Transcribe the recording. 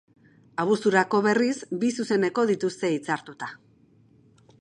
Abuzturako, berriz, bi zuzeneko dituzte hitzartuta.